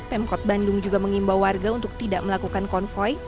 pemkot bandung juga mengimbau warga untuk tidak melakukan konvoy